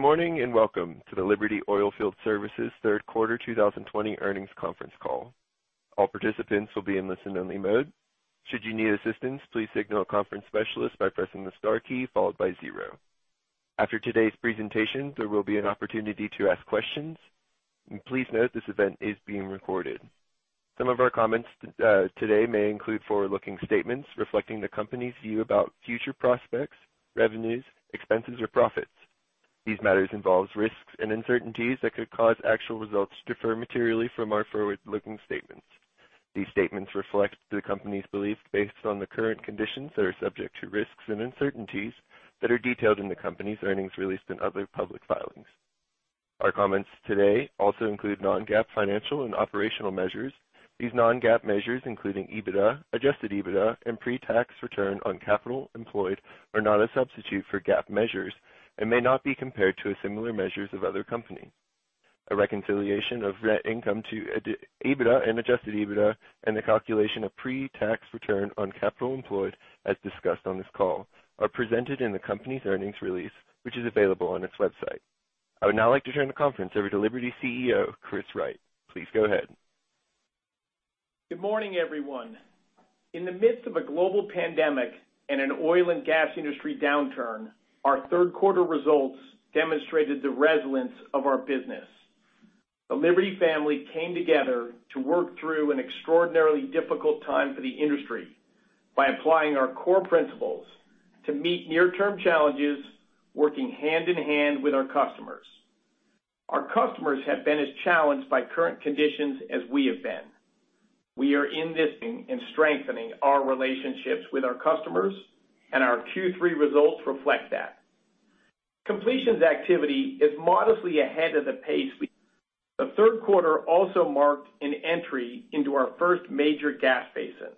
Good morning, and welcome to the Liberty Oilfield Services third quarter 2020 earnings conference call. Please note, this event is being recorded. Some of our comments today may include forward-looking statements reflecting the company's view about future prospects, revenues, expenses, or profits. These matters involves risks and uncertainties that could cause actual results to differ materially from our forward-looking statements. These statements reflect the company's beliefs based on the current conditions that are subject to risks and uncertainties that are detailed in the company's earnings release and other public filings. Our comments today also include non-GAAP financial and operational measures. These non-GAAP measures, including EBITDA, adjusted EBITDA, and pre-tax return on capital employed are not a substitute for GAAP measures and may not be compared to the similar measures of other company. A reconciliation of net income to EBITDA and adjusted EBITDA and the calculation of pre-tax return on capital employed as discussed on this call are presented in the company's earnings release, which is available on its website. I would now like to turn the conference over to Liberty's CEO, Chris Wright. Please go ahead. Good morning, everyone. In the midst of a global pandemic and an oil and gas industry downturn, our third quarter results demonstrated the resilience of our business. The Liberty family came together to work through an extraordinarily difficult time for the industry by applying our core principles to meet near-term challenges, working hand in hand with our customers. Our customers have been as challenged by current conditions as we have been. We are investing and strengthening our relationships with our customers. Our Q3 results reflect that. Completions activity is modestly ahead of the pace we. The third quarter also marked an entry into our first major gas basin,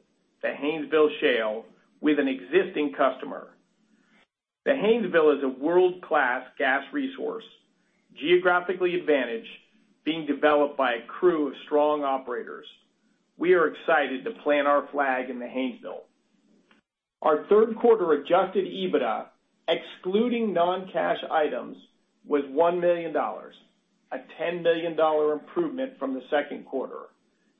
the Haynesville Shale, with an existing customer. The Haynesville is a world-class gas resource, geographically advantaged, being developed by a crew of strong operators. We are excited to plant our flag in the Haynesville. Our third quarter adjusted EBITDA, excluding non-cash items, was $1 million, a $10 million improvement from the second quarter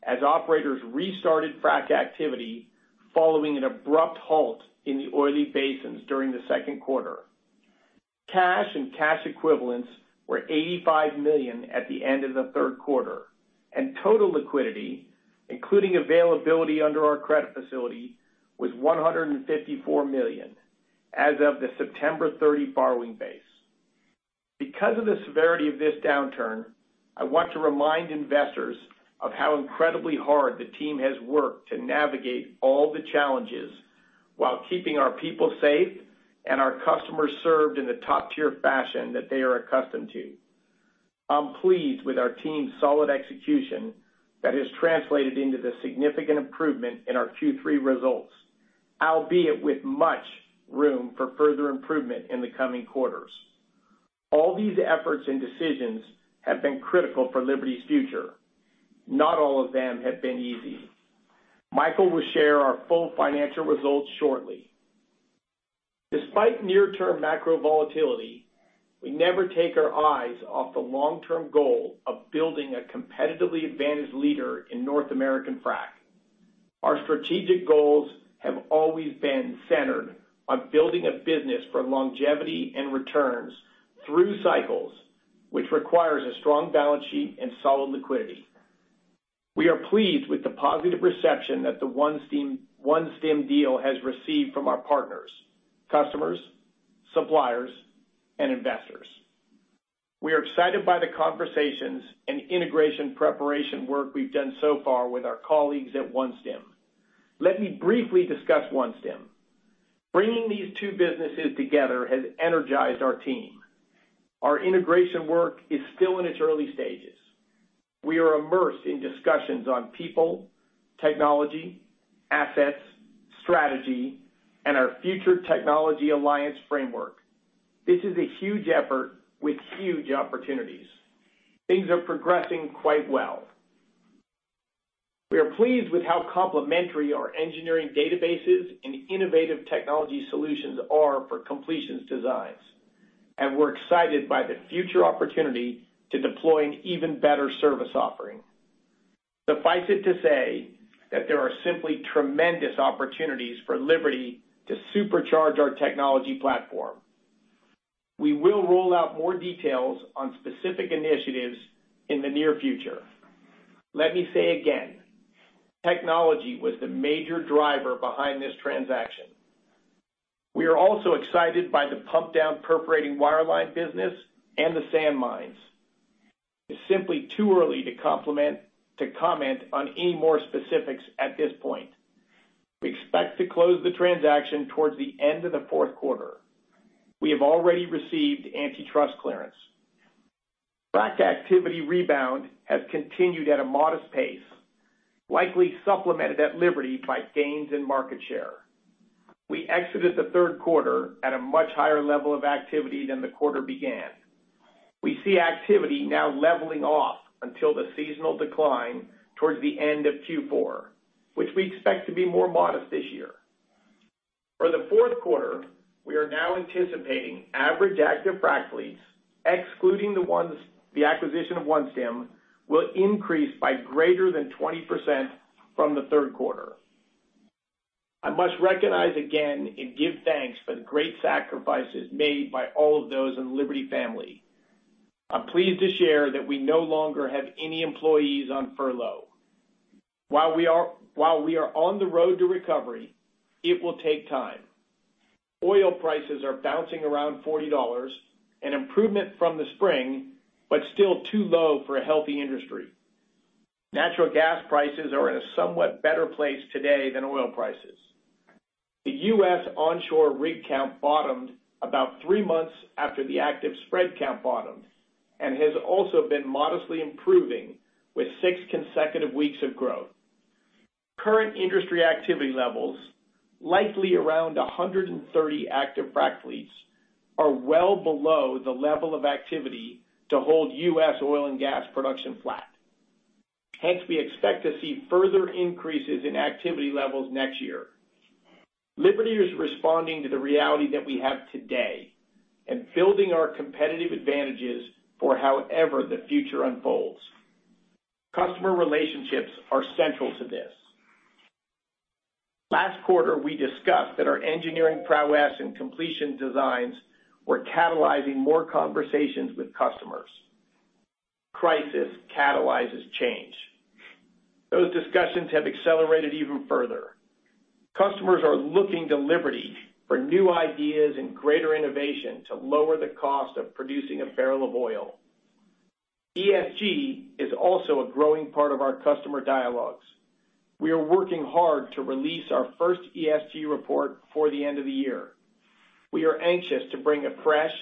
as operators restarted frac activity following an abrupt halt in the oily basins during the second quarter. Cash and cash equivalents were $85 million at the end of the third quarter, and total liquidity, including availability under our credit facility, was $154 million as of the September 30 borrowing base. Because of the severity of this downturn, I want to remind investors of how incredibly hard the team has worked to navigate all the challenges while keeping our people safe and our customers served in the top-tier fashion that they are accustomed to. I'm pleased with our team's solid execution that has translated into the significant improvement in our Q3 results, albeit with much room for further improvement in the coming quarters. All these efforts and decisions have been critical for Liberty's future. Not all of them have been easy. Michael will share our full financial results shortly. Despite near-term macro volatility, we never take our eyes off the long-term goal of building a competitively advantaged leader in North American frac. Our strategic goals have always been centered on building a business for longevity and returns through cycles, which requires a strong balance sheet and solid liquidity. We are pleased with the positive reception that the OneStim deal has received from our partners, customers, suppliers, and investors. We are excited by the conversations and integration preparation work we've done so far with our colleagues at OneStim. Let me briefly discuss OneStim. Bringing these two businesses together has energized our team. Our integration work is still in its early stages. We are immersed in discussions on people, technology, assets, strategy, and our future technology alliance framework. This is a huge effort with huge opportunities. Things are progressing quite well. We are pleased with how complementary our engineering databases and innovative technology solutions are for completions designs, and we're excited by the future opportunity to deploy an even better service offering. Suffice it to say that there are simply tremendous opportunities for Liberty to supercharge our technology platform. We will roll out more details on specific initiatives in the near future. Let me say again, technology was the major driver behind this transaction. We are also excited by the pump-down perforating wireline business and the sand mines. It's simply too early to comment on any more specifics at this point. We expect to close the transaction towards the end of the fourth quarter. We have already received antitrust clearance. Frac activity rebound has continued at a modest pace, likely supplemented at Liberty by gains in market share. We exited the third quarter at a much higher level of activity than the quarter began. We see activity now leveling off until the seasonal decline towards the end of Q4, which we expect to be more modest this year. For the fourth quarter, we are now anticipating average active frac fleets, excluding the acquisition of OneStim, will increase by greater than 20% from the third quarter. I must recognize again and give thanks for the great sacrifices made by all of those in the Liberty family. I'm pleased to share that we no longer have any employees on furlough. While we are on the road to recovery, it will take time. Oil prices are bouncing around $40, an improvement from the spring, but still too low for a healthy industry. Natural gas prices are in a somewhat better place today than oil prices. The U.S. onshore rig count bottomed about three months after the active spread count bottomed, and has also been modestly improving with six consecutive weeks of growth. Current industry activity levels, likely around 130 active frac fleets, are well below the level of activity to hold U.S. oil and gas production flat. Hence, we expect to see further increases in activity levels next year. Liberty is responding to the reality that we have today and building our competitive advantages for however the future unfolds. Customer relationships are central to this. Last quarter, we discussed that our engineering prowess and completion designs were catalyzing more conversations with customers. Crisis catalyzes change. Those discussions have accelerated even further. Customers are looking to Liberty for new ideas and greater innovation to lower the cost of producing a barrel of oil. ESG is also a growing part of our customer dialogues. We are working hard to release our first ESG report before the end of the year. We are anxious to bring a fresh,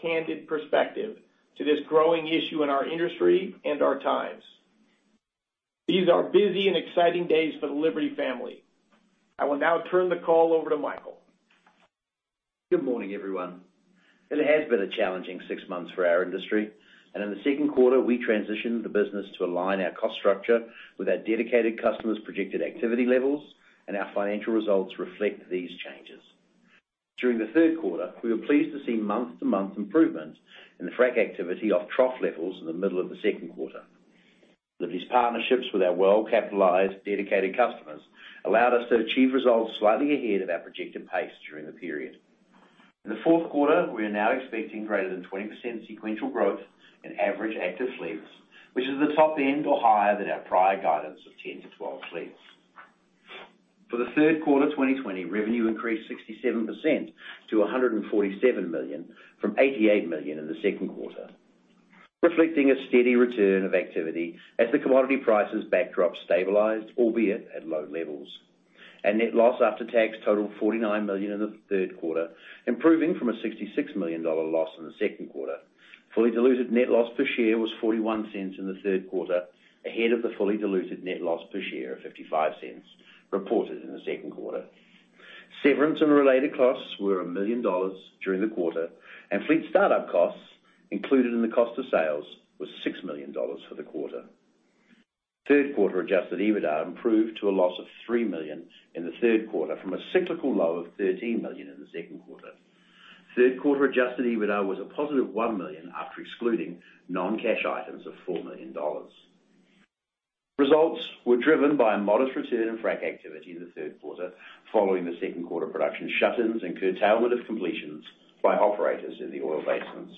candid perspective to this growing issue in our industry and our times. These are busy and exciting days for the Liberty family. I will now turn the call over to Michael. Good morning, everyone. It has been a challenging six months for our industry, and in the second quarter, we transitioned the business to align our cost structure with our dedicated customers' projected activity levels, and our financial results reflect these changes. During the third quarter, we were pleased to see month-to-month improvements in the frac activity off trough levels in the middle of the second quarter. Liberty's partnerships with our well-capitalized dedicated customers allowed us to achieve results slightly ahead of our projected pace during the period. In the fourth quarter, we are now expecting greater than 20% sequential growth in average active fleets, which is the top end or higher than our prior guidance of 10-12 fleets. For the third quarter 2020, revenue increased 67% to $147 million, from $88 million in the second quarter, reflecting a steady return of activity as the commodity prices backdrop stabilized, albeit at low levels. Our net loss after tax totaled $49 million in the third quarter, improving from a $66 million loss in the second quarter. Fully diluted net loss per share was $0.41 in the third quarter, ahead of the fully diluted net loss per share of $0.55 reported in the second quarter. Severance and related costs were $1 million during the quarter, and fleet startup costs included in the cost of sales was $6 million for the quarter. Third quarter adjusted EBITDA improved to a loss of $3 million in the third quarter from a cyclical low of $13 million in the second quarter. Third quarter adjusted EBITDA was a positive $1 million after excluding non-cash items of $4 million. Results were driven by a modest return in frac activity in the third quarter, following the second quarter production shut-ins and curtailment of completions by operators in the oil basins.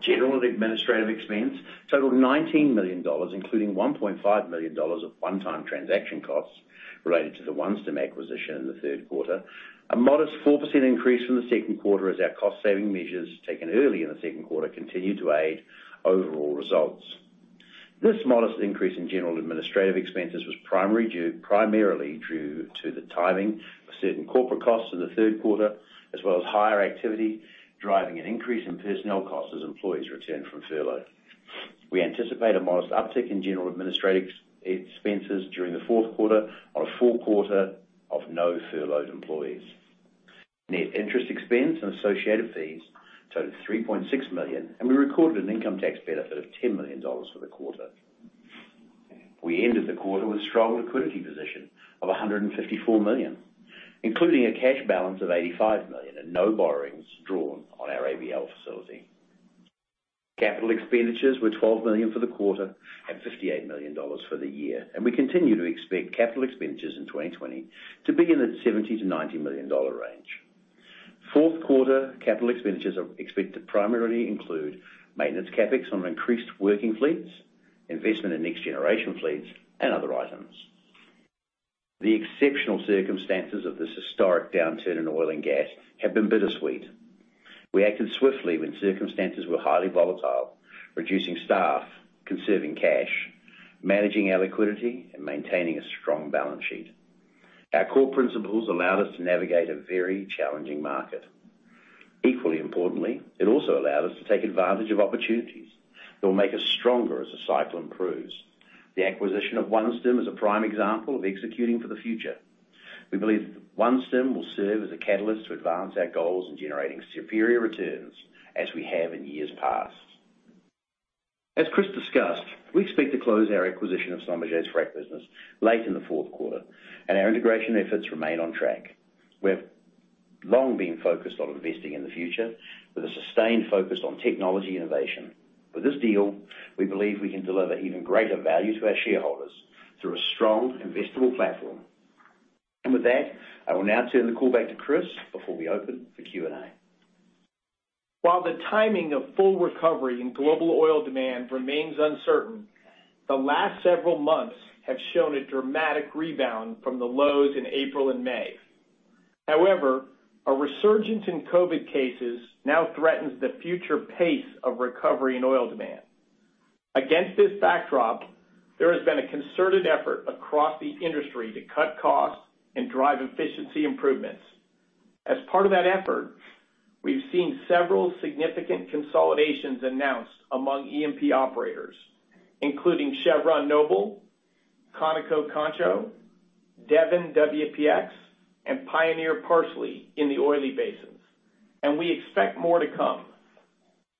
General and administrative expense totaled $19 million, including $1.5 million of one-time transaction costs related to the OneStim acquisition in the third quarter, a modest 4% increase from the second quarter as our cost-saving measures taken early in the second quarter continued to aid overall results. This modest increase in general administrative expenses was primarily due to the timing of certain corporate costs in the third quarter, as well as higher activity, driving an increase in personnel costs as employees returned from furlough. We anticipate a modest uptick in general administrative expenses during the fourth quarter on a full quarter of no furloughed employees. Net interest expense and associated fees totaled $3.6 million. We recorded an income tax benefit of $10 million for the quarter. We ended the quarter with strong liquidity position of $154 million, including a cash balance of $85 million and no borrowings drawn on our ABL facility. Capital expenditures were $12 million for the quarter and $58 million for the year. We continue to expect capital expenditures in 2020 to be in the $70 million-$90 million range. Fourth quarter capital expenditures are expected to primarily include maintenance CapEx on increased working fleets, investment in next generation fleets, and other items. The exceptional circumstances of this historic downturn in oil and gas have been bittersweet. We acted swiftly when circumstances were highly volatile, reducing staff, conserving cash, managing our liquidity, and maintaining a strong balance sheet. Our core principles allowed us to navigate a very challenging market. Equally importantly, it also allowed us to take advantage of opportunities that will make us stronger as the cycle improves. The acquisition of OneStim is a prime example of executing for the future. We believe OneStim will serve as a catalyst to advance our goals in generating superior returns as we have in years past. As Chris discussed, we expect to close our acquisition of Schlumberger's frac business late in the fourth quarter, and our integration efforts remain on track. We've long been focused on investing in the future with a sustained focus on technology innovation. With this deal, we believe we can deliver even greater value to our shareholders through a strong investable platform. With that, I will now turn the call back to Chris before we open for Q&A. While the timing of full recovery in global oil demand remains uncertain, the last several months have shown a dramatic rebound from the lows in April and May. However, a resurgence in COVID cases now threatens the future pace of recovery in oil demand. Against this backdrop, there has been a concerted effort across the industry to cut costs and drive efficiency improvements. As part of that effort, we've seen several significant consolidations announced among E&P operators, including Chevron, Noble, ConocoPhillips, Concho, Devon, WPX, and Pioneer, Parsley in the oily basins, and we expect more to come.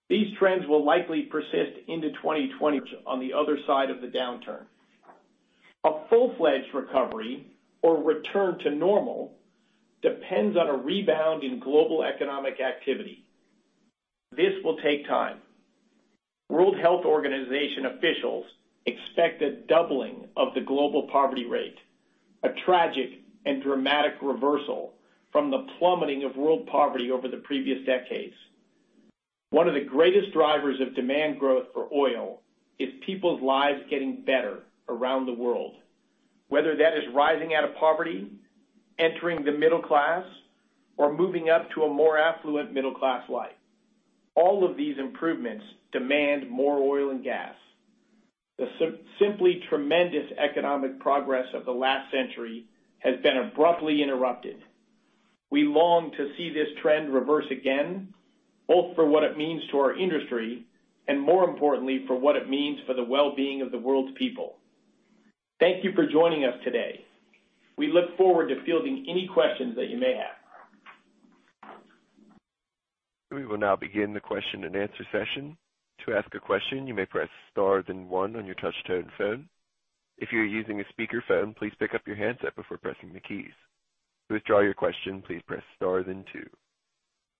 These trends will likely persist into 2022 on the other side of the downturn. A full-fledged recovery or return to normal depends on a rebound in global economic activity. This will take time. World Health Organization officials expect a doubling of the global poverty rate, a tragic and dramatic reversal from the plummeting of world poverty over the previous decades. One of the greatest drivers of demand growth for oil is people's lives getting better around the world, whether that is rising out of poverty, entering the middle class, or moving up to a more affluent middle-class life. All of these improvements demand more oil and gas. The simply tremendous economic progress of the last century has been abruptly interrupted. We long to see this trend reverse again, both for what it means to our industry and, more importantly, for what it means for the well-being of the world's people. Thank you for joining us today. We look forward to fielding any questions that you may have. We will now begin the question-and-answer session. To ask a question, you may press star and one on your touchtone phone. If you are using a speakerphone, please pick up your handset before pressing the keys. To withdraw your question, please press star and two.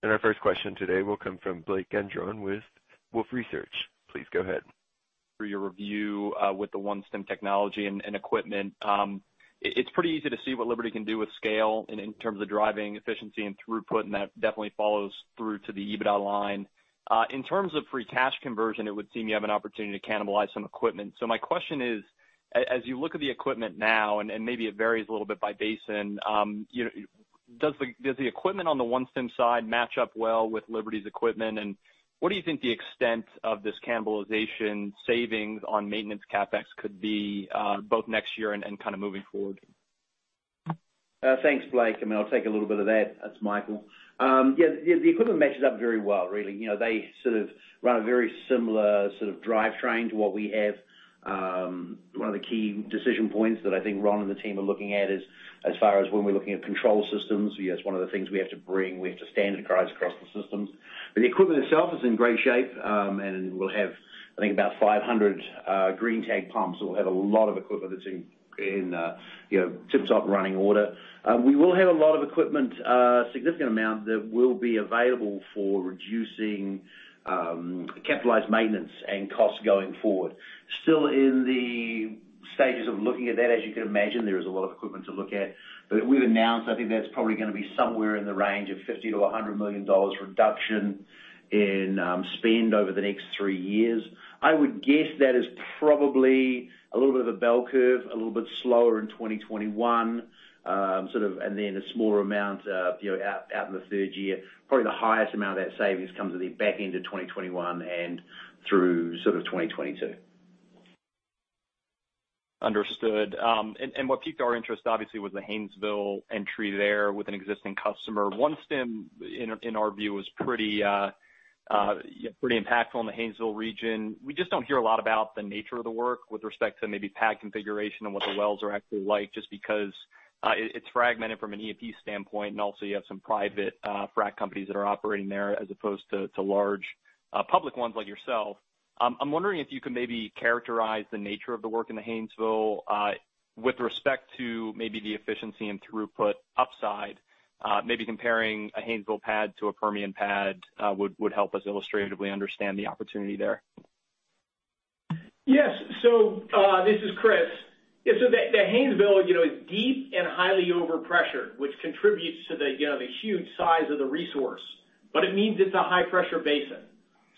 Our first question today will come from Blake Gendron with Wolfe Research. Please go ahead. For your review with the OneStim technology and equipment, it's pretty easy to see what Liberty can do with scale in terms of driving efficiency and throughput, and that definitely follows through to the EBITDA line. In terms of free cash conversion, it would seem you have an opportunity to cannibalize some equipment. My question is, as you look at the equipment now, and maybe it varies a little by basin, does the equipment on the OneStim side match up well with Liberty's equipment? What do you think the extent of this cannibalization savings on maintenance CapEx could be both next year and kind of moving forward? Thanks, Blake. I mean, I'll take a little bit of that. That's Michael. Yeah, the equipment matches up very well, really. They sort of run a very similar sort of drivetrain to what we have. One of the key decision points that I think Ron and the team are looking at is as far as when we're looking at control systems. That's one of the things we have to bring. We have to standardize across the systems. The equipment itself is in great shape, and we'll have, I think, about 500 green tagged pumps. We'll have a lot of equipment that's in tip-top running order. We will have a lot of equipment, a significant amount that will be available for reducing capitalized maintenance and costs going forward. Still in the stages of looking at that. As you can imagine, there is a lot of equipment to look at. We've announced, I think that's probably going to be somewhere in the range of $50 million-$100 million reduction in spend over the next three years. I would guess that is probably a little bit of a bell curve, a little bit slower in 2021, and then a smaller amount out in the third year. Probably the highest amount of that savings comes at the back end of 2021 and through sort of 2022. Understood. What piqued our interest, obviously, was the Haynesville entry there with an existing customer. OneStim, in our view, was pretty impactful in the Haynesville region. We just don't hear a lot about the nature of the work with respect to maybe pad configuration and what the wells are actually like, just because it's fragmented from an E&P standpoint. Also you have some private frac companies that are operating there as opposed to large public ones like yourself. I'm wondering if you can maybe characterize the nature of the work in the Haynesville with respect to maybe the efficiency and throughput upside. Maybe comparing a Haynesville pad to a Permian pad would help us illustratively understand the opportunity there. Yes. This is Chris. The Haynesville is deep and highly overpressure, which contributes to the huge size of the resource, but it means it's a high-pressure basin,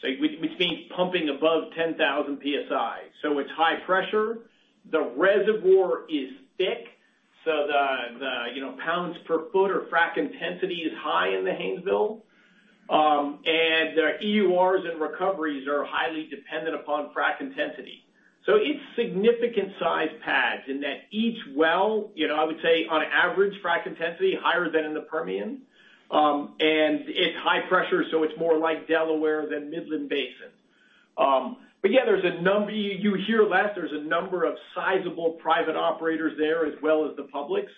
which means pumping above 10,000 PSI. It's high pressure. The reservoir is thick, the pounds per foot or frac intensity is high in the Haynesville. And our EURs and recoveries are highly dependent upon frac intensity. It's significant size pads in that each well, I would say on average, frac intensity higher than in the Permian. And it's high pressure, so it's more like Delaware than Midland Basin. Yeah, you hear less. There's a number of sizable private operators there as well as the publics.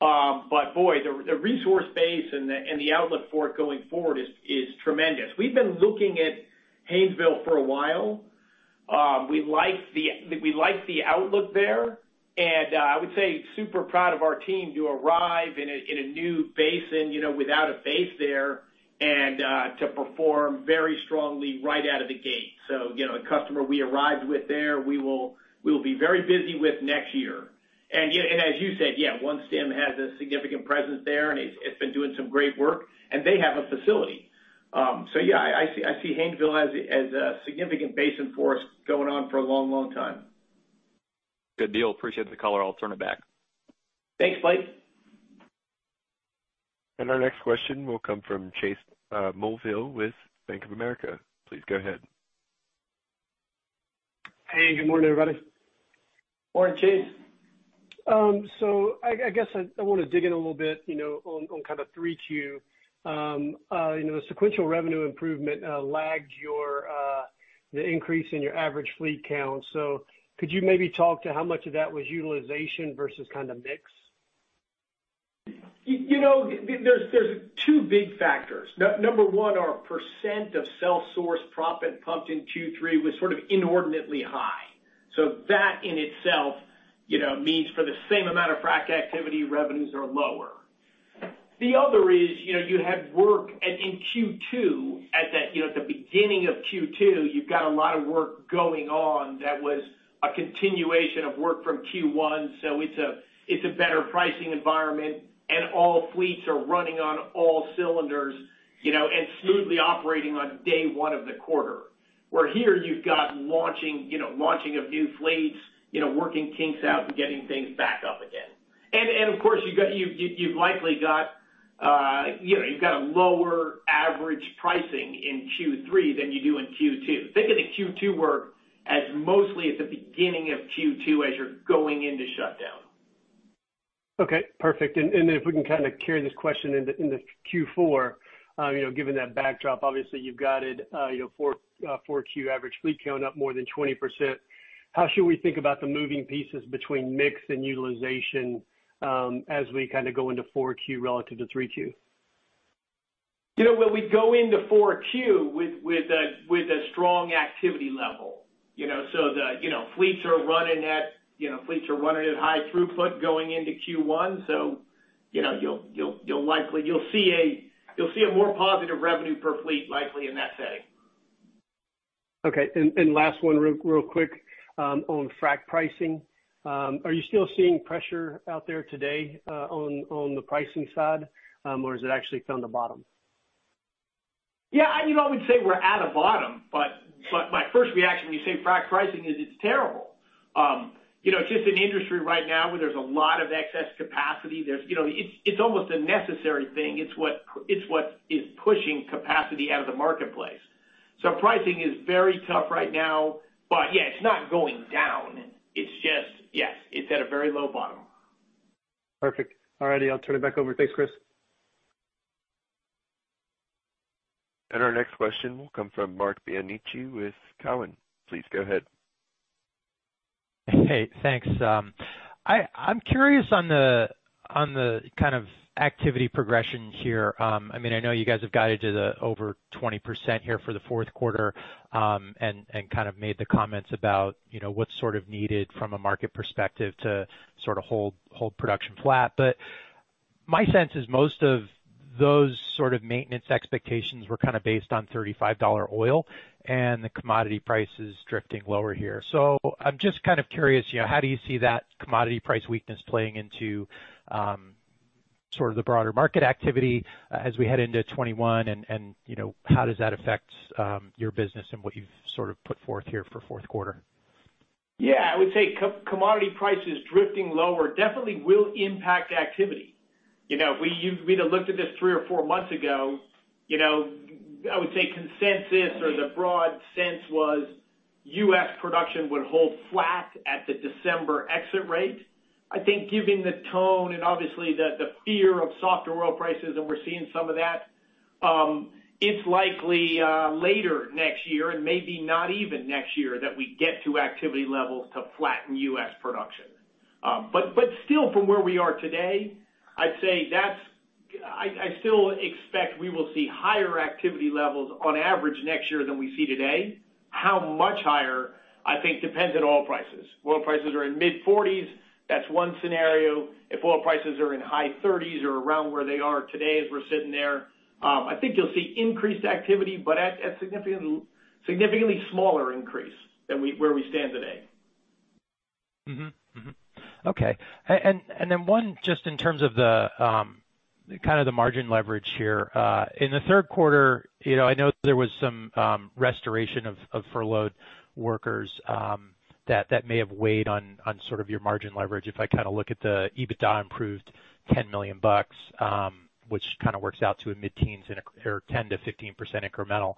Boy, the resource base and the outlook for it going forward is tremendous. We've been looking at Haynesville for a while. We like the outlook there, I would say, super proud of our team to arrive in a new basin without a base there and to perform very strongly right out of the gate. The customer we arrived with there, we will be very busy with next year. As you said, yeah, OneStim has a significant presence there, and it's been doing some great work, and they have a facility. Yeah, I see Haynesville as a significant basin for us going on for a long time. Good deal. Appreciate the color. I'll turn it back. Thanks, Blake. Our next question will come from Chase Mulvehill with Bank of America. Please go ahead. Hey, good morning, everybody. Morning, Chase. I guess I want to dig in a little bit on kind of 3Q. The sequential revenue improvement lagged the increase in your average fleet count. Could you maybe talk to how much of that was utilization versus kind of mix? There's two big factors. Number one, our percent of self-source proppant pumped in Q3 was sort of inordinately high. That in itself means for the same amount of frac activity, revenues are lower. The other is you had work in Q2. At the beginning of Q2, you've got a lot of work going on that was a continuation of work from Q1, so it's a better pricing environment, and all fleets are running on all cylinders and smoothly operating on day one of the quarter. Where here you've got launching of new fleets, working kinks out and getting things back up again. Of course, you've likely got a lower average pricing in Q3 than you do in Q2. Think of the Q2 work as mostly at the beginning of Q2 as you're going into shutdown. Okay, perfect. If we can kind of carry this question into Q4, given that backdrop, obviously you've guided 4Q average fleet count up more than 20%. How should we think about the moving pieces between mix and utilization as we kind of go into 4Q relative to 3Q? When we go into 4Q with a strong activity level. The fleets are running at high throughput going into Q1, so you'll see a more positive revenue per fleet likely in that setting. Okay, last one real quick on frac pricing. Are you still seeing pressure out there today on the pricing side? Or has it actually found a bottom? Yeah, I would say we're at a bottom. My first reaction when you say frac pricing is it's terrible. It's just an industry right now where there's a lot of excess capacity. It's almost a necessary thing. It's what is pushing capacity out of the marketplace. Pricing is very tough right now. Yeah, it's not going down. It's just, yes, it's at a very low bottom. Perfect. All righty, I'll turn it back over. Thanks, Chris. Our next question will come from Marc Bianchi with Cowen. Please go ahead. Hey, thanks. I'm curious on the kind of activity progression here. I know you guys have guided to the over 20% here for the fourth quarter and kind of made the comments about what's sort of needed from a market perspective to sort of hold production flat. My sense is most of those sort of maintenance expectations were kind of based on $35 oil and the commodity prices drifting lower here. I'm just kind of curious, how do you see that commodity price weakness playing into sort of the broader market activity as we head into 2021 and how does that affect your business and what you've sort of put forth here for fourth quarter? Yeah. I would say commodity prices drifting lower definitely will impact activity. If we'd have looked at this three or four months ago, I would say consensus or the broad sense was U.S. production would hold flat at the December exit rate. I think given the tone and obviously the fear of softer oil prices, and we're seeing some of that, it's likely later next year and maybe not even next year that we get to activity levels to flatten U.S. production. Still from where we are today, I still expect we will see higher activity levels on average next year than we see today. How much higher, I think depends on oil prices. Oil prices are in mid-40s. That's one scenario. If oil prices are in high 30s or around where they are today as we're sitting there, I think you'll see increased activity, but at significantly smaller increase than where we stand today. Okay. One just in terms of the kind of the margin leverage here. In the third quarter, I know there was some restoration of furloughed workers that may have weighed on sort of your margin leverage. If I kind of look at the EBITDA improved $10 million, which kind of works out to a mid-teens or 10%-15% incremental.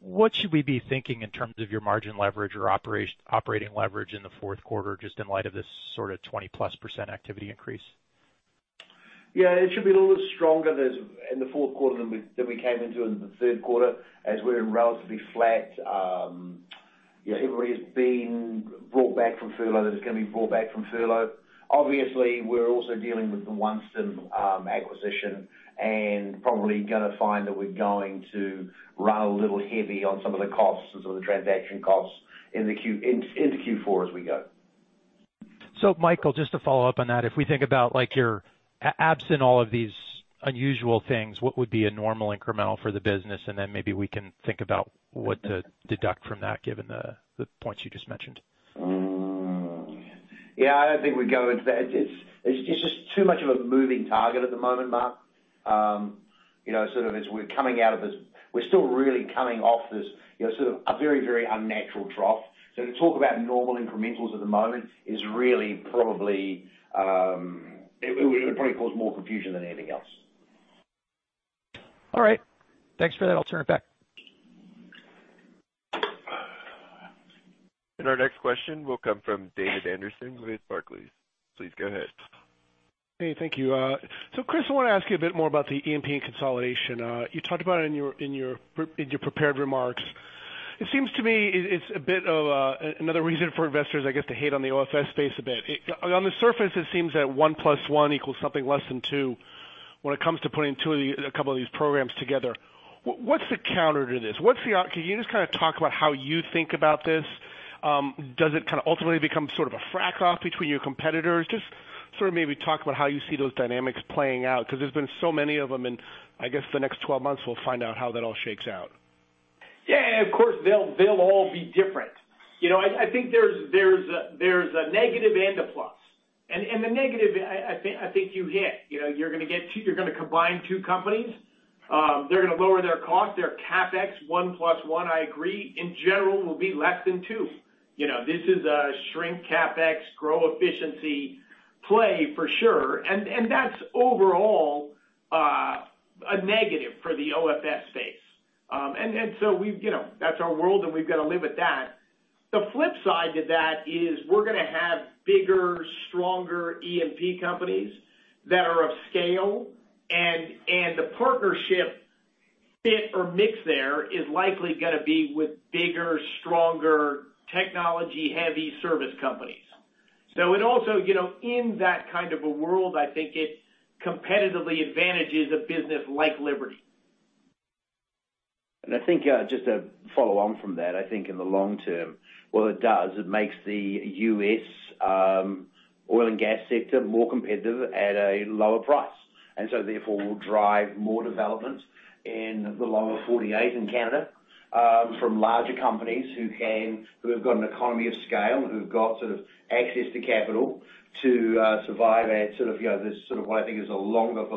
What should we be thinking in terms of your margin leverage or operating leverage in the fourth quarter, just in light of this sort of 20%+ activity increase? Yeah, it should be a little bit stronger in the fourth quarter than we came into in the third quarter, as we're relatively flat. Everybody has been brought back from furlough, that is going to be brought back from furlough. Obviously, we're also dealing with the OneStim acquisition, and probably going to find that we're going to run a little heavy on some of the costs and some of the transaction costs into Q4 as we go. Michael, just to follow up on that, if we think about your absent all of these unusual things, what would be a normal incremental for the business? Maybe we can think about what to deduct from that, given the points you just mentioned. Yeah, I don't think we'd go into that. It's just too much of a moving target at the moment, Marc. We're still really coming off this very, very unnatural trough. To talk about normal incrementals at the moment, it would probably cause more confusion than anything else. All right. Thanks for that. I'll turn it back. Our next question will come from David Anderson with Barclays. Please go ahead. Hey, thank you. Chris, I want to ask you a bit more about the E&P consolidation. You talked about it in your prepared remarks. It seems to me it's a bit of another reason for investors, I guess, to hate on the OFS space a bit. On the surface, it seems that one plus one equals something less than two when it comes to putting a couple of these programs together. What's the counter to this? Can you just talk about how you think about this? Does it ultimately become sort of a frack-off between your competitors? Just maybe talk about how you see those dynamics playing out, because there's been so many of them, and I guess the next 12 months, we'll find out how that all shakes out. Yeah, of course, they'll all be different. I think there's a negative and a plus. The negative, I think you hit. You're going to combine two companies. They're going to lower their cost, their CapEx, one plus one, I agree, in general, will be less than two. This is a shrink CapEx, grow efficiency play for sure. That's overall a negative for the OFS space. That's our world, and we've got to live with that. The flip side to that is we're going to have bigger, stronger E&P companies that are of scale, and the partnership fit or mix there is likely going to be with bigger, stronger technology-heavy service companies. It also, in that kind of a world, I think it competitively advantages a business like Liberty. I think, just to follow on from that, I think in the long term, what it does, it makes the U.S. oil and gas sector more competitive at a lower price. Therefore, will drive more development in the lower 48 in Canada from larger companies who have got an economy of scale, who've got access to capital to survive at this sort of what I think is a lower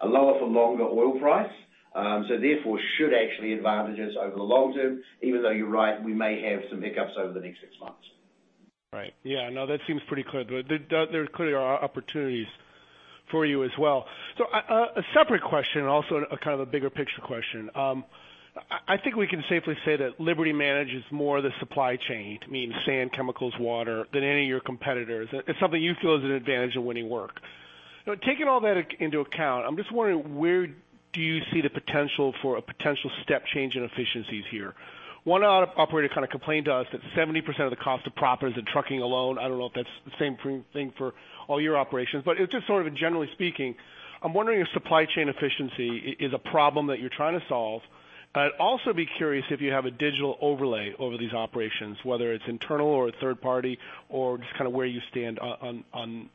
for longer oil price. Therefore, should actually advantage us over the long term, even though you're right, we may have some hiccups over the next six months. Right. Yeah, no, that seems pretty clear. There clearly are opportunities for you as well. A separate question, also a kind of a bigger picture question. I think we can safely say that Liberty manages more of the supply chain, to mean sand, chemicals, water, than any of your competitors. It's something you feel is an advantage of winning work. Taking all that into account, I'm just wondering, where do you see the potential for a potential step change in efficiencies here? One operator complained to us that 70% of the cost of proppant is in trucking alone. I don't know if that's the same thing for all your operations. Just sort of generally speaking, I'm wondering if supply chain efficiency is a problem that you're trying to solve. I'd also be curious if you have a digital overlay over these operations, whether it's internal or third party, or just kind of where you stand on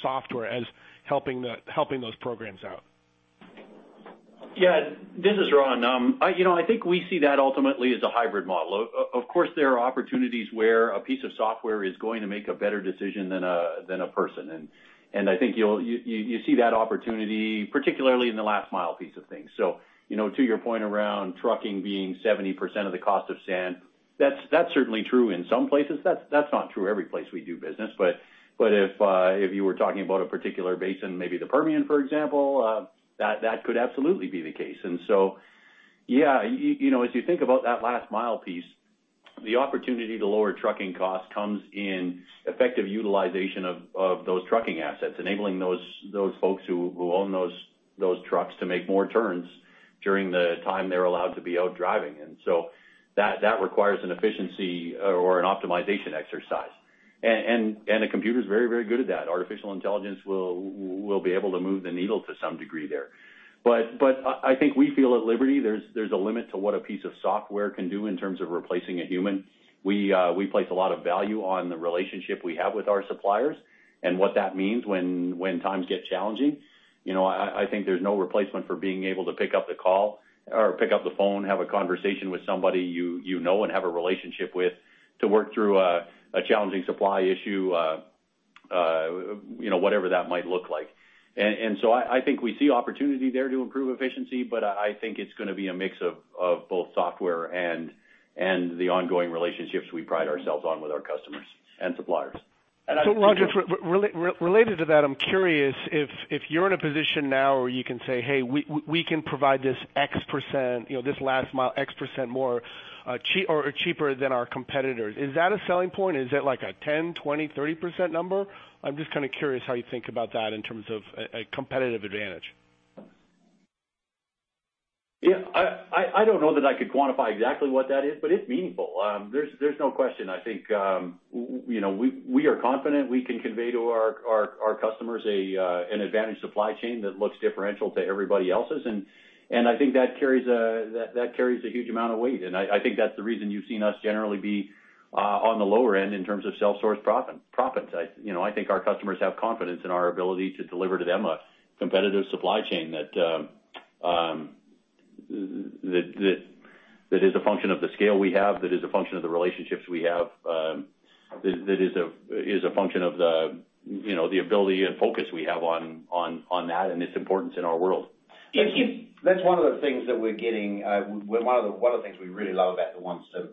software as helping those programs out. Yeah, this is Ron. I think we see that ultimately as a hybrid model. Of course, there are opportunities where a piece of software is going to make a better decision than a person. I think you see that opportunity, particularly in the last mile piece of things. To your point around trucking being 70% of the cost of sand, that's certainly true in some places. That's not true every place we do business. If you were talking about a particular basin, maybe the Permian, for example, that could absolutely be the case. Yeah, as you think about that last mile piece, the opportunity to lower trucking costs comes in effective utilization of those trucking assets, enabling those folks who own those trucks to make more turns during the time they're allowed to be out driving. That requires an efficiency or an optimization exercise. A computer's very, very good at that. Artificial intelligence will be able to move the needle to some degree there. I think we feel at Liberty, there's a limit to what a piece of software can do in terms of replacing a human. We place a lot of value on the relationship we have with our suppliers, and what that means when times get challenging. I think there's no replacement for being able to pick up the call or pick up the phone, have a conversation with somebody you know and have a relationship with to work through a challenging supply issue, whatever that might look like. I think we see opportunity there to improve efficiency, but I think it's going to be a mix of both software and the ongoing relationships we pride ourselves on with our customers and suppliers. Ron, related to that, I'm curious if you're in a position now where you can say, "Hey, we can provide this last mile X% cheaper than our competitors." Is that a selling point? Is that like a 10%, 20%, 30% number? I'm just kind of curious how you think about that in terms of a competitive advantage. Yeah. I don't know that I could quantify exactly what that is, but it's meaningful. There's no question. I think, we are confident we can convey to our customers an advantage supply chain that looks differential to everybody else's, and I think that carries a huge amount of weight. I think that's the reason you've seen us generally be on the lower end in terms of self-sourced proppant. I think our customers have confidence in our ability to deliver to them a competitive supply chain that is a function of the scale we have, that is a function of the relationships we have, that is a function of the ability and focus we have on that and its importance in our world. One of the things we really love about the OneStim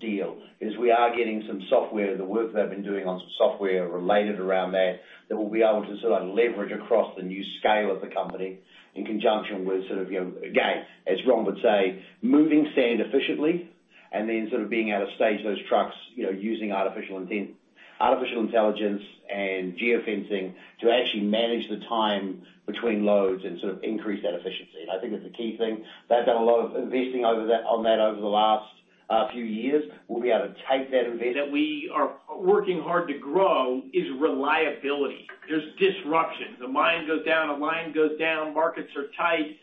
deal is we are getting some software, the work they've been doing on some software related around that we'll be able to sort of leverage across the new scale of the company in conjunction with sort of, again, as Ron would say, moving sand efficiently and then sort of being able to stage those trucks using artificial intelligence and geo-fencing to actually manage the time between loads and sort of increase that efficiency. I think that's a key thing. They've done a lot of investing on that over the last few years. We'll be able to take that investment- That we are working hard to grow is reliability. There's disruption. The mine goes down, a line goes down, markets are tight.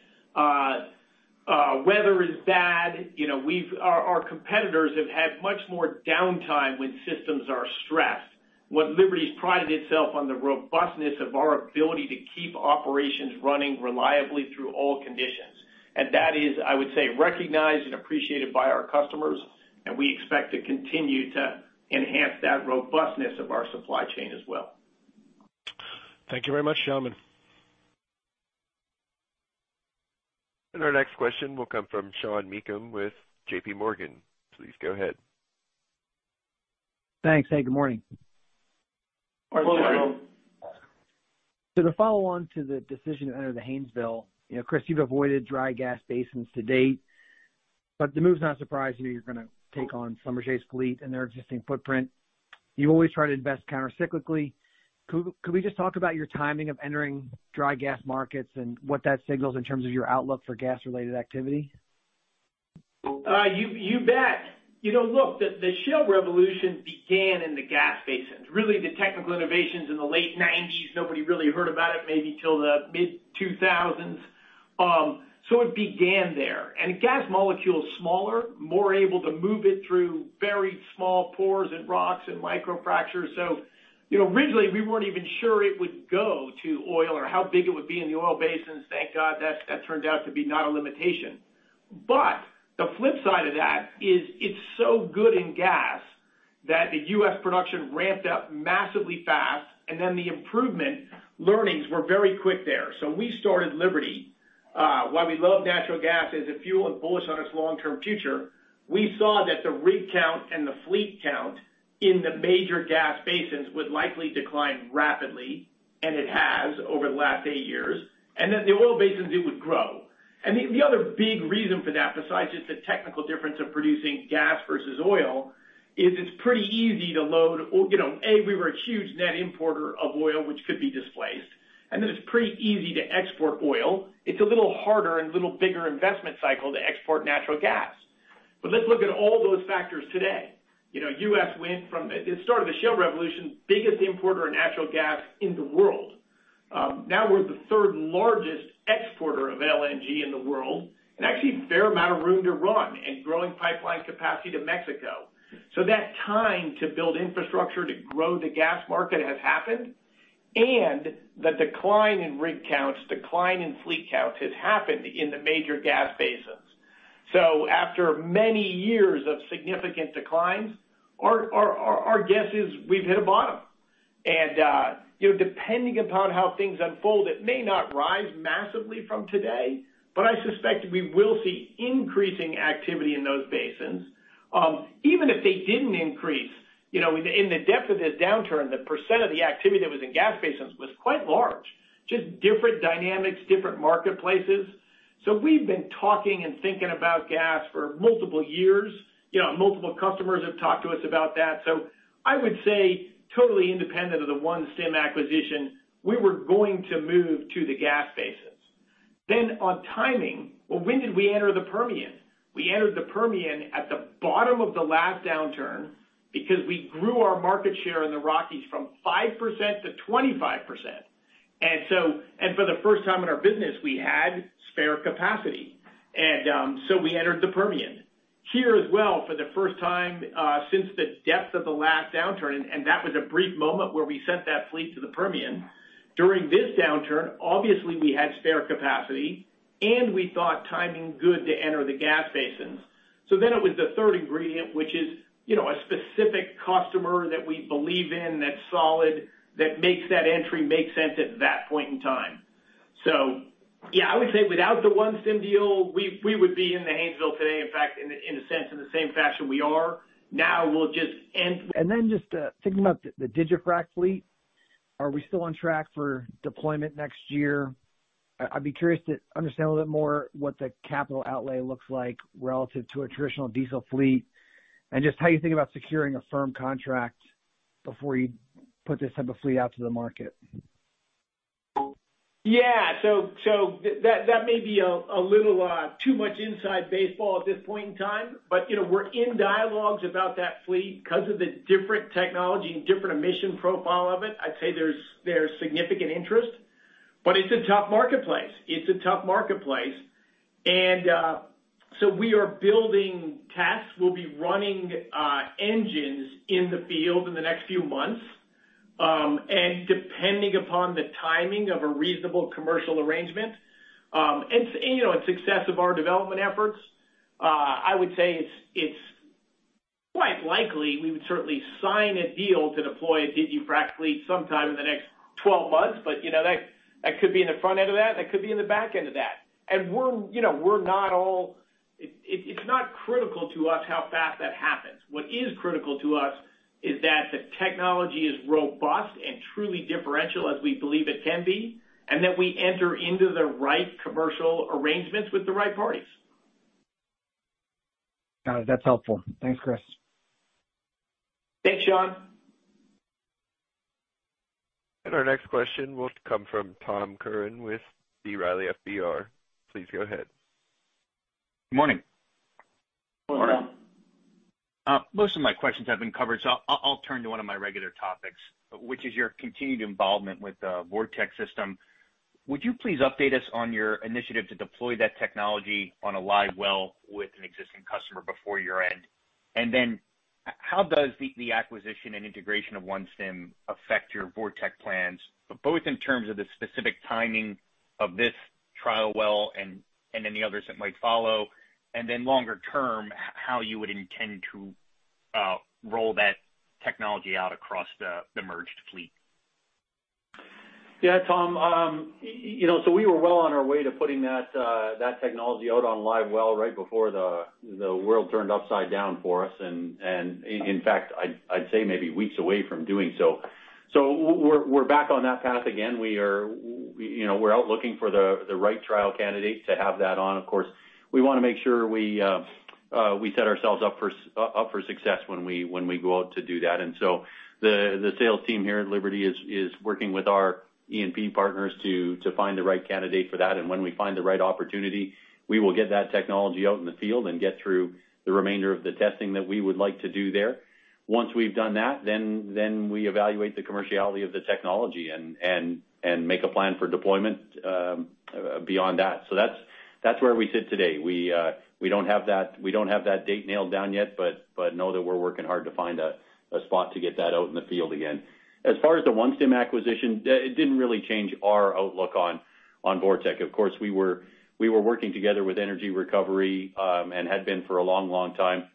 Weather is bad. Our competitors have had much more downtime when systems are stressed. What Liberty's prided itself on the robustness of our ability to keep operations running reliably through all conditions. That is, I would say, recognized and appreciated by our customers, and we expect to continue to enhance that robustness of our supply chain as well. Thank you very much, gentlemen. Our next question will come from Sean Meakim with JPMorgan. Please go ahead. Thanks. Hey, good morning. Good morning. Good morning. To follow on to the decision to enter the Haynesville, Chris, you've avoided dry gas basins to date, but the move's not surprising you're going to take on Summerchase fleet and their existing footprint. You always try to invest counter-cyclically. Could we just talk about your timing of entering dry gas markets and what that signals in terms of your outlook for gas-related activity? You bet. Look, the shale revolution began in the gas basins. Really, the technical innovations in the late '90s, nobody really heard about it maybe till the mid-2000s. It began there. A gas molecule is smaller, more able to move it through very small pores and rocks and microfractures. Originally, we weren't even sure it would go to oil or how big it would be in the oil basins. Thank God that turned out to be not a limitation. The flip side of that is it's so good in gas that the U.S. production ramped up massively fast, and then the improvement learnings were very quick there. We started Liberty. While we love natural gas as a fuel and bullish on its long-term future, we saw that the rig count and the fleet count in the major gas basins would likely decline rapidly, and it has over the last eight years, and that the oil basins, it would grow. The other big reason for that, besides just the technical difference of producing gas versus oil, is it's pretty easy. A, we were a huge net importer of oil, which could be displaced, and then it's pretty easy to export oil. It's a little harder and a little bigger investment cycle to export natural gas. Let's look at all those factors today. It started the shale revolution, biggest importer of natural gas in the world. We're the third largest exporter of LNG in the world, and actually a fair amount of room to run and growing pipeline capacity to Mexico. That time to build infrastructure to grow the gas market has happened, and the decline in rig counts, decline in fleet counts has happened in the major gas basins. Depending upon how things unfold, it may not rise massively from today, but I suspect we will see increasing activity in those basins. Even if they didn't increase, in the depth of this downturn, the percent of the activity that was in gas basins was quite large. Just different dynamics, different marketplaces. We've been talking and thinking about gas for multiple years. Multiple customers have talked to us about that. I would say totally independent of the OneStim acquisition, we were going to move to the gas basins. On timing, well, when did we enter the Permian? We entered the Permian at the bottom of the last downturn because we grew our market share in the Rockies from 5%-25%. For the first time in our business, we had spare capacity. We entered the Permian. Here as well, for the first time since the depth of the last downturn, and that was a brief moment where we sent that fleet to the Permian. During this downturn, obviously, we had spare capacity, and we thought timing good to enter the gas basins. It was the third ingredient, which is a specific customer that we believe in, that's solid, that makes that entry make sense at that point in time. Yeah, I would say without the OneStim deal, we would be in the Haynesville today. In fact, in a sense, in the same fashion we are. Just thinking about the digiFrac fleet, are we still on track for deployment next year? I'd be curious to understand a little bit more what the capital outlay looks like relative to a traditional diesel fleet, and just how you think about securing a firm contract Before you put this type of fleet out to the market. Yeah. That may be a little too much inside baseball at this point in time, but we're in dialogues about that fleet because of the different technology and different emission profile of it. I'd say there's significant interest, but it's a tough marketplace. It's a tough marketplace. We are building tests. We'll be running engines in the field in the next few months. Depending upon the timing of a reasonable commercial arrangement, and success of our development efforts, I would say it's quite likely we would certainly sign a deal to deploy a digiFrac fleet sometime in the next 12 months. That could be in the front end of that could be in the back end of that. It's not critical to us how fast that happens. What is critical to us is that the technology is robust and truly differential as we believe it can be, and that we enter into the right commercial arrangements with the right parties. Got it. That's helpful. Thanks, Chris. Thanks, Sean. Our next question will come from Tom Curran with B. Riley FBR. Please go ahead. Good morning. Good morning, Tom. Most of my questions have been covered, so I'll turn to one of my regular topics, which is your continued involvement with the VorTeq system. Would you please update us on your initiative to deploy that technology on a live well with an existing customer before year-end? How does the acquisition and integration of OneStim affect your VorTeq plans, both in terms of the specific timing of this trial well and any others that might follow, and then longer term, how you would intend to roll that technology out across the merged fleet? Yeah, Tom. We were well on our way to putting that technology out on live well right before the world turned upside down for us, and in fact, I'd say maybe weeks away from doing so. We're back on that path again. We're out looking for the right trial candidate to have that on. Of course, we want to make sure we set ourselves up for success when we go out to do that. The sales team here at Liberty is working with our E&P partners to find the right candidate for that. When we find the right opportunity, we will get that technology out in the field and get through the remainder of the testing that we would like to do there. Once we've done that, we evaluate the commerciality of the technology and make a plan for deployment beyond that. That's where we sit today. We don't have that date nailed down yet, but know that we're working hard to find a spot to get that out in the field again. As far as the OneStim acquisition, it didn't really change our outlook on VorTeq. Of course, we were working together with Energy Recovery, and had been for a long time.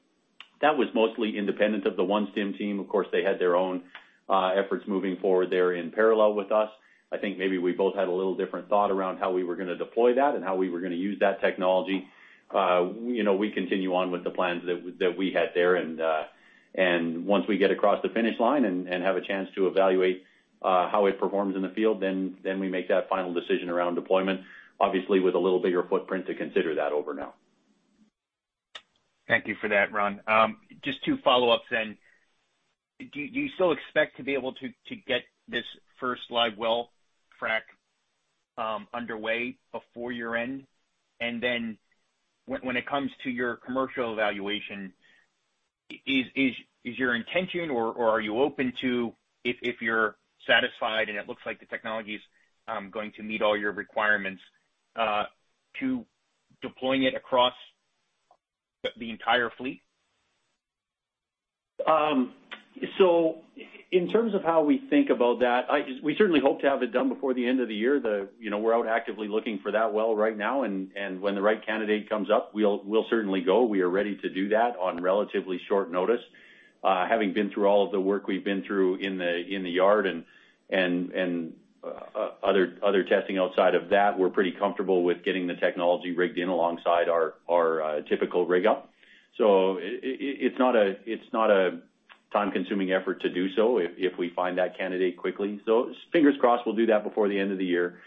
That was mostly independent of the OneStim team. Of course, they had their own efforts moving forward there in parallel with us. I think maybe we both had a little different thought around how we were going to deploy that and how we were going to use that technology. We continue on with the plans that we had there. Once we get across the finish line and have a chance to evaluate how it performs in the field, then we make that final decision around deployment, obviously with a little bigger footprint to consider that over now. Thank you for that, Ron. Just two follow-ups then. Do you still expect to be able to get this first live well frac underway before year-end? When it comes to your commercial evaluation, is your intention or are you open to, if you're satisfied and it looks like the technology's going to meet all your requirements, to deploying it across the entire fleet? In terms of how we think about that, we certainly hope to have it done before the end of the year. We're out actively looking for that well right now, and when the right candidate comes up, we'll certainly go. We are ready to do that on relatively short notice. Having been through all of the work we've been through in the yard and other testing outside of that, we're pretty comfortable with getting the technology rigged in alongside our typical rig up. It's not a time-consuming effort to do so if we find that candidate quickly. Fingers crossed we'll do that before the end of the year.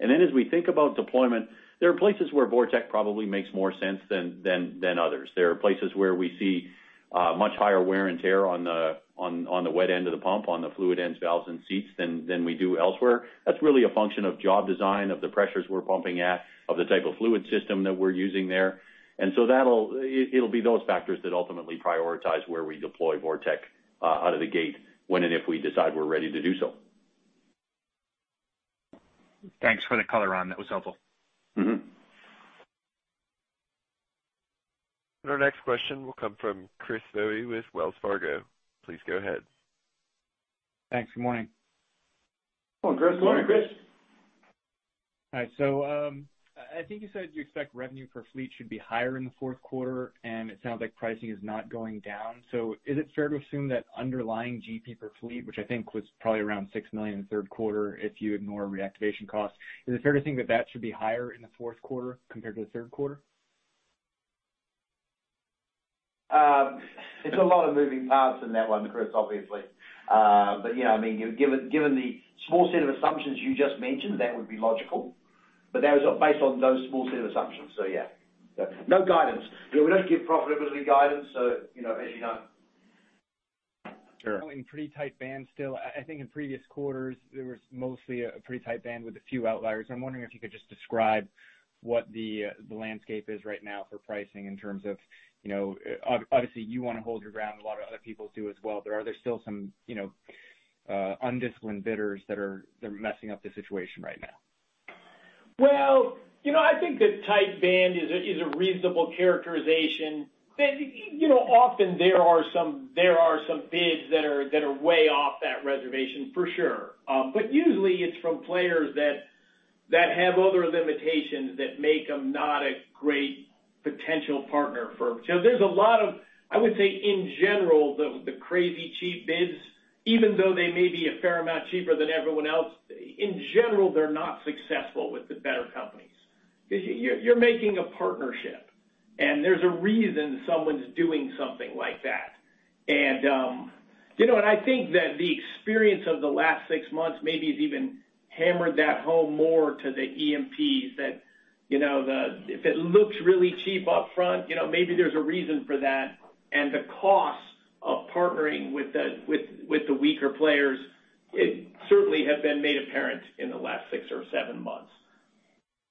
Then as we think about deployment, there are places where VorTeq probably makes more sense than others. There are places where we see much higher wear and tear on the wet end of the pump, on the fluid end valves and seats than we do elsewhere. That's really a function of job design, of the pressures we're pumping at, of the type of fluid system that we're using there. It'll be those factors that ultimately prioritize where we deploy VorTeq out of the gate when and if we decide we're ready to do so. Thanks for the color, Ron. That was helpful. Our next question will come from Chris Voie with Wells Fargo. Please go ahead. Thanks. Good morning. Good morning, Chris. Good morning, Chris. All right. I think you said you expect revenue per fleet should be higher in the fourth quarter, and it sounds like pricing is not going down. Is it fair to assume that underlying GP per fleet, which I think was probably around $6 million in the third quarter if you ignore reactivation costs, is it fair to think that that should be higher in the fourth quarter compared to the third quarter? There's a lot of moving parts in that one, Chris, obviously. Yeah, given the small set of assumptions you just mentioned, that would be logical. That was based on those small set of assumptions. Yeah. No guidance. We don't give profitability guidance, as you know. Sure. In pretty tight bands still. I think in previous quarters there was mostly a pretty tight band with a few outliers. I am wondering if you could just describe what the landscape is right now for pricing in terms of, obviously you want to hold your ground, a lot of other people do as well. Are there still some undisciplined bidders that are messing up the situation right now? Well, I think the tight band is a reasonable characterization. Often there are some bids that are way off that reservation for sure. Usually it's from players that have other limitations that make them not a great potential partner for. There's a lot of, I would say, in general, the crazy cheap bids, even though they may be a fair amount cheaper than everyone else, in general, they're not successful with the better companies. You're making a partnership, and there's a reason someone's doing something like that. I think that the experience of the last six months maybe has even hammered that home more to the E&Ps that, if it looks really cheap up front, maybe there's a reason for that. The cost of partnering with the weaker players, it certainly has been made apparent in the last six or seven months.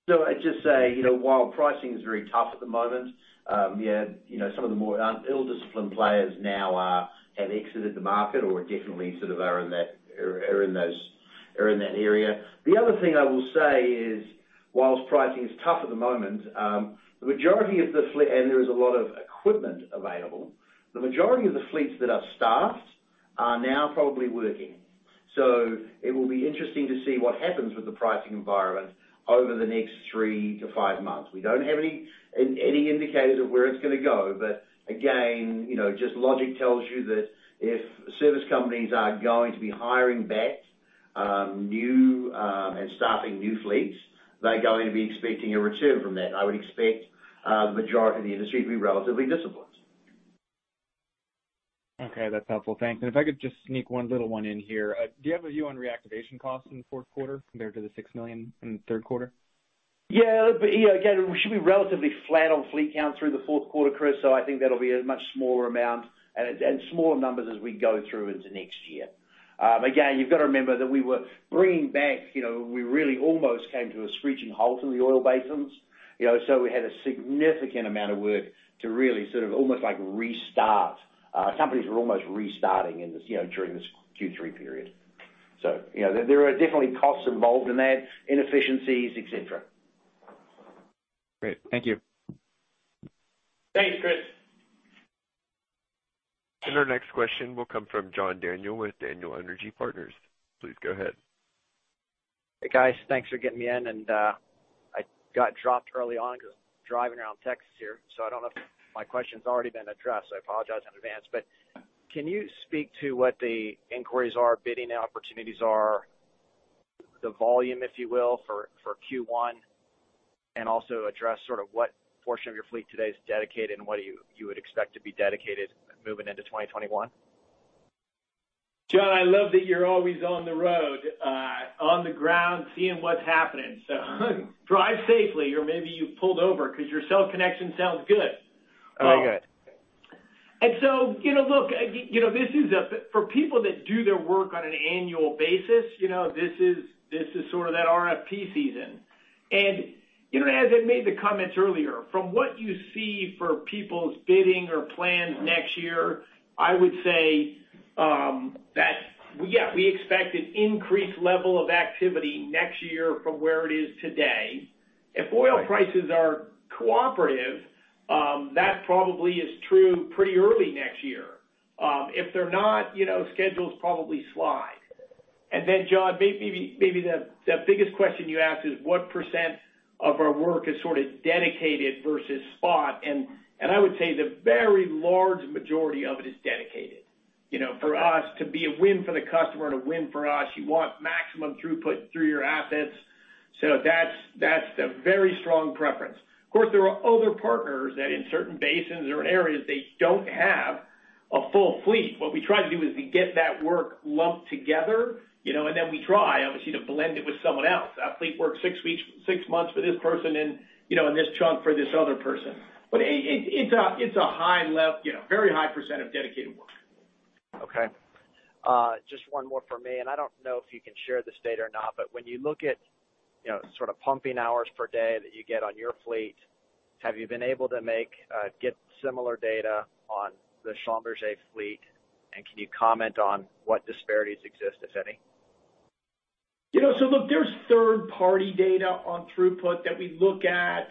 I'd just say, while pricing is very tough at the moment, some of the more ill-disciplined players now have exited the market or definitely sort of are in that area. The other thing I will say is, whilst pricing is tough at the moment, and there is a lot of equipment available, the majority of the fleets that are staffed are now probably working. It will be interesting to see what happens with the pricing environment over the next three to five months. We don't have any indicators of where it's going to go. Again, just logic tells you that if service companies are going to be hiring back new and staffing new fleets, they're going to be expecting a return from that. I would expect the majority of the industry to be relatively disciplined. Okay, that's helpful. Thanks. If I could just sneak one little one in here. Do you have a view on reactivation costs in the fourth quarter compared to the $6 million in the third quarter? Yeah. Again, we should be relatively flat on fleet count through the fourth quarter, Chris. I think that'll be a much smaller amount and smaller numbers as we go through into next year. Again, you've got to remember that we were bringing back, we really almost came to a screeching halt in the oil basins. We had a significant amount of work to really sort of almost like restart. Companies were almost restarting during this Q3 period. There are definitely costs involved in that, inefficiencies, et cetera. Great. Thank you. Thanks, Chris. Our next question will come from John Daniel with Daniel Energy Partners. Please go ahead. Hey, guys. Thanks for getting me in. I got dropped early on because driving around Texas here. I don't know if my question's already been addressed. I apologize in advance. Can you speak to what the inquiries are, bidding opportunities are, the volume, if you will, for Q1, and also address sort of what portion of your fleet today is dedicated and what you would expect to be dedicated moving into 2021? John, I love that you're always on the road, on the ground, seeing what's happening. Drive safely. Maybe you've pulled over because your cell connection sounds good. Very good. Look, for people that do their work on an annual basis, this is sort of that RFP season. As I made the comments earlier, from what you see for people's bidding or plans next year, I would say that, yeah, we expect an increased level of activity next year from where it is today. If oil prices are cooperative, that probably is true pretty early next year. If they're not, schedules probably slide. Then, John, maybe the biggest question you asked is what percent of our work is sort of dedicated versus spot. I would say the very large majority of it is dedicated. For us to be a win for the customer and a win for us, you want maximum throughput through your assets. That's the very strong preference. Of course, there are other partners that in certain basins or areas, they don't have a full fleet. What we try to do is we get that work lumped together, and then we try, obviously, to blend it with someone else. Our fleet works 6 months for this person and this chunk for this other person. It's a very high % of dedicated work. Okay. Just one more from me. I don't know if you can share this data or not, but when you look at sort of pumping hours per day that you get on your fleet, have you been able to get similar data on the Schlumberger fleet? Can you comment on what disparities exist, if any? Look, there's third-party data on throughput that we look at.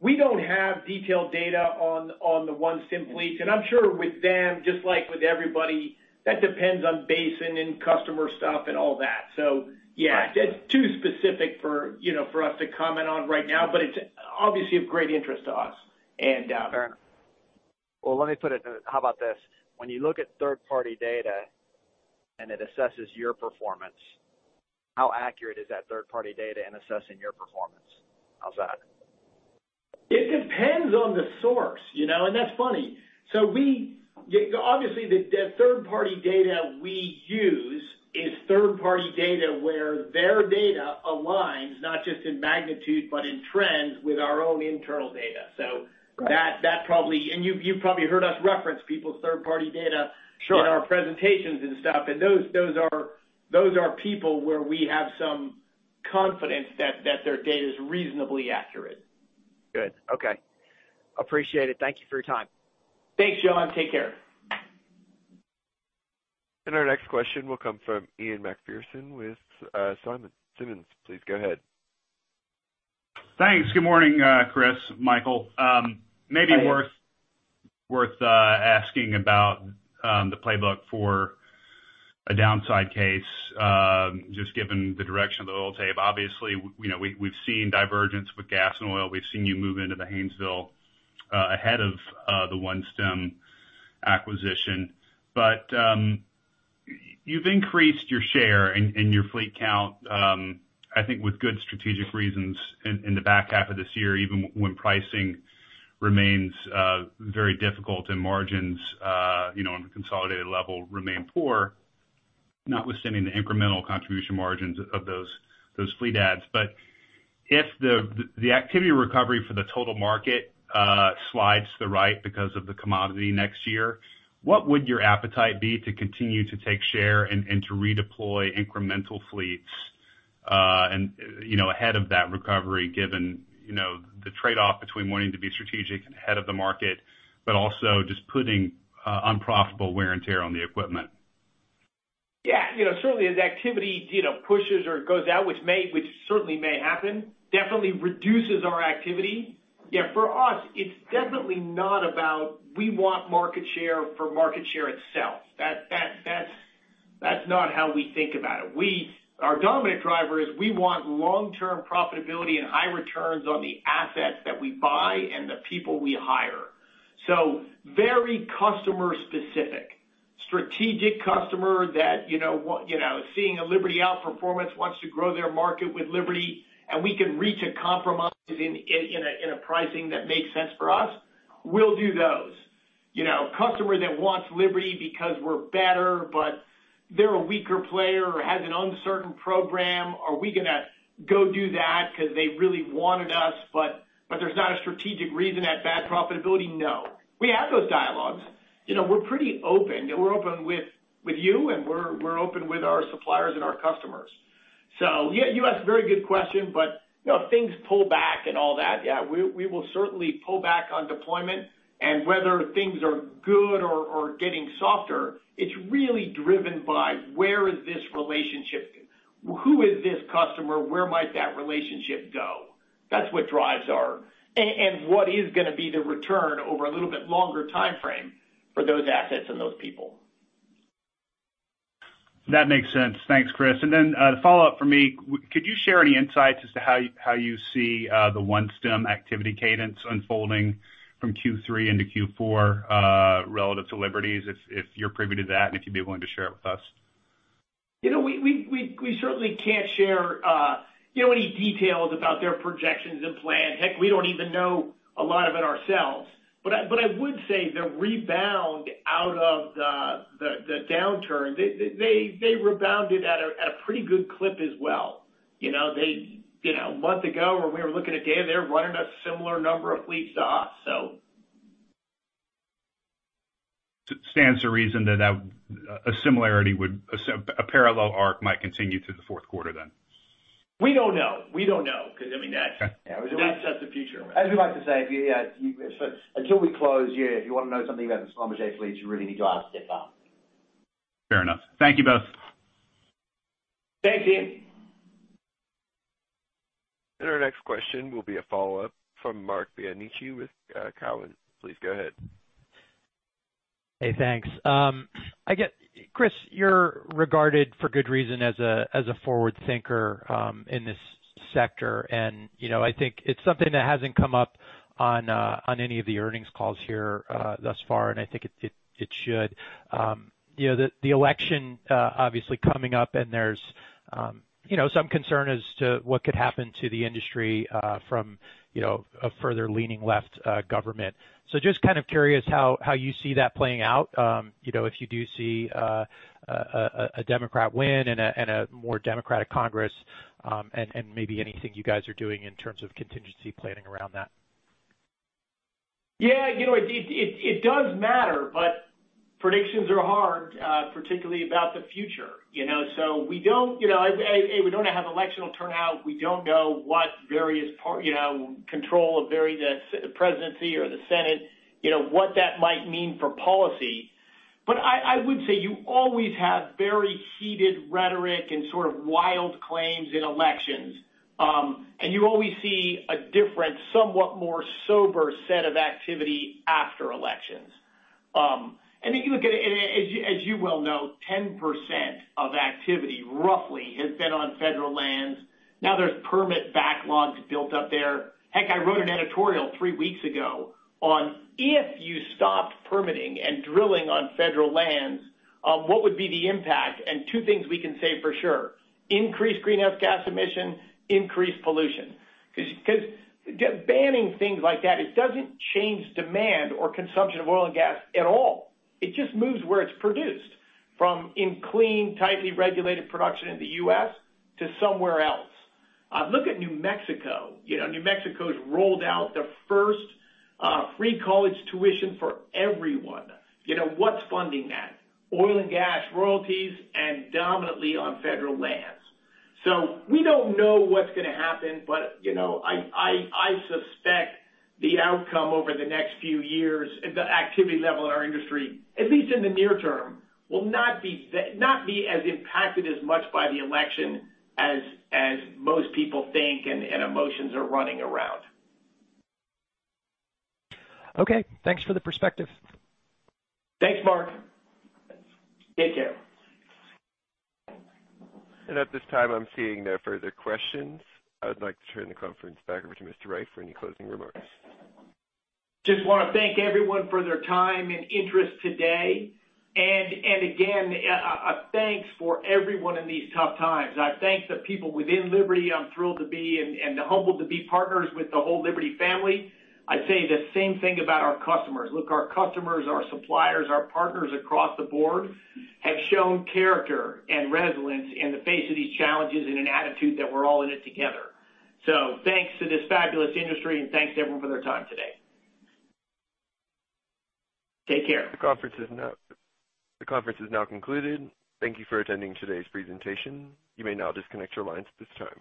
We don't have detailed data on the OneStim fleet. I'm sure with them, just like with everybody, that depends on basin and customer stuff and all that. Yeah, too specific for us to comment on right now, but it's obviously of great interest to us. Fair enough. Well, let me put it, how about this? When you look at third-party data and it assesses your performance, how accurate is that third-party data in assessing your performance? How's that? It depends on the source, and that's funny. Obviously, the third-party data we use is third-party data where their data aligns, not just in magnitude but in trends, with our own internal data. Got it. You've probably heard us reference people's third-party data. Sure In our presentations and stuff, and those are people where we have some confidence that their data is reasonably accurate. Good. Okay. Appreciate it. Thank you for your time. Thanks, John. Take care. Our next question will come from Ian MacPherson with Simmons. Please go ahead. Thanks. Good morning, Chris, Michael. Hi, Ian. Maybe worth asking about the playbook for a downside case, just given the direction of the oil tape. Obviously, we've seen divergence with gas and oil. We've seen you move into the Haynesville, ahead of the OneStim acquisition. You've increased your share and your fleet count, I think with good strategic reasons in the back half of this year, even when pricing remains very difficult and margins on a consolidated level remain poor, notwithstanding the incremental contribution margins of those fleet adds. If the activity recovery for the total market slides to the right because of the commodity next year, what would your appetite be to continue to take share and to redeploy incremental fleets ahead of that recovery, given the trade-off between wanting to be strategic and ahead of the market, but also just putting unprofitable wear and tear on the equipment? Yeah. Certainly, as activity pushes or goes out, which certainly may happen, definitely reduces our activity. For us, it's definitely not about we want market share for market share itself. That's not how we think about it. Our dominant driver is we want long-term profitability and high returns on the assets that we buy and the people we hire. Very customer specific. Strategic customer that seeing a Liberty outperformance wants to grow their market with Liberty, and we can reach a compromise in a pricing that makes sense for us, we'll do those. Customer that wants Liberty because we're better, but they're a weaker player or has an uncertain program, are we going to go do that because they really wanted us, but there's not a strategic reason, that bad profitability? No. We have those dialogues. We're pretty open. We're open with you, and we're open with our suppliers and our customers. You ask a very good question, but things pull back and all that. Yeah, we will certainly pull back on deployment, and whether things are good or getting softer, it's really driven by where is this relationship? Who is this customer? Where might that relationship go? That's what drives our, what is going to be the return over a little bit longer timeframe for those assets and those people. That makes sense. Thanks, Chris. A follow-up from me, could you share any insights as to how you see the OneStim activity cadence unfolding from Q3 into Q4 relative to Liberty's, if you're privy to that and if you'd be willing to share it with us? We certainly can't share any details about their projections and plans. Heck, we don't even know a lot of it ourselves. I would say the rebound out of the downturn, they rebounded at a pretty good clip as well. A month ago, when we were looking at data, they're running a similar number of fleets to us. Stands to reason that a parallel arc might continue through the fourth quarter then? We don't know, because that's the future. As we like to say, until we close, if you want to know something about Schlumberger fleets, you really need to ask Stephane. Fair enough. Thank you both. Thanks, Ian. Our next question will be a follow-up from Marc Bianchi with Cowen. Please go ahead. Hey, thanks. Chris, you're regarded for good reason as a forward thinker in this sector, and I think it's something that hasn't come up on any of the earnings calls here thus far, and I think it should. The election obviously coming up, and there's some concern as to what could happen to the industry from a further leaning left government. Just kind of curious how you see that playing out, if you do see a Democrat win and a more Democratic Congress, and maybe anything you guys are doing in terms of contingency planning around that. Yeah. It does matter, but predictions are hard, particularly about the future. We don't have electional turnout. We don't know control of the presidency or the Senate, what that might mean for policy. I would say you always have very heated rhetoric and sort of wild claims in elections. You always see a different, somewhat more sober set of activity after elections. As you well know, 10% of activity, roughly, has been on federal lands. Now there's permit backlogs built up there. Heck, I wrote an editorial three weeks ago on if you stopped permitting and drilling on federal lands, what would be the impact? Two things we can say for sure, increased greenhouse gas emission, increased pollution. Banning things like that, it doesn't change demand or consumption of oil and gas at all. It just moves where it's produced from in clean, tightly regulated production in the U.S. to somewhere else. Look at New Mexico. New Mexico's rolled out the first free college tuition for everyone. What's funding that? Oil and gas royalties and dominantly on federal lands. We don't know what's going to happen, but I suspect the outcome over the next few years, the activity level in our industry, at least in the near term, will not be as impacted as much by the election as most people think and emotions are running around. Okay. Thanks for the perspective. Thanks, Marc. Take care. At this time, I'm seeing no further questions. I would like to turn the conference back over to Mr. Wright for any closing remarks. Just want to thank everyone for their time and interest today. Again, a thanks for everyone in these tough times. I thank the people within Liberty. I'm thrilled to be and humbled to be partners with the whole Liberty family. I'd say the same thing about our customers. Look, our customers, our suppliers, our partners across the board have shown character and resilience in the face of these challenges and an attitude that we're all in it together. Thanks to this fabulous industry, and thanks to everyone for their time today. Take care. The conference is now concluded. Thank you for attending today's presentation. You may now disconnect your lines at this time.